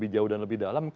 jauh dan lebih dalam